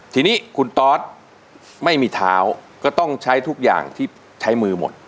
ทีนี้คุณตอสไม่มีเท้าก็ต้องใช้ทุกอย่างที่ใช้มือหมด